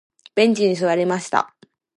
ベンチに座りました。